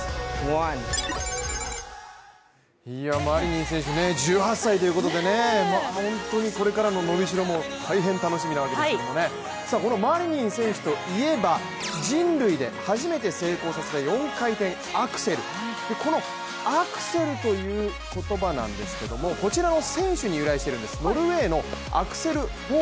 マリニン選手、１８歳ということで本当にこれからの伸びしろも大変楽しみなわけですけれども、このマリニン選手といえば人類で初めて成功させた４回転アクセル、このアクセルという言葉なんですけども、こちらは選手に由来しているんです。